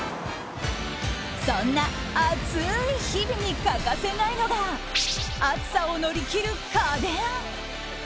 そんな暑い日々に欠かせないのが暑さを乗り切る家電。